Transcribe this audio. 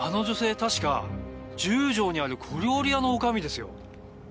確か十条にある小料理屋の女将ですよ。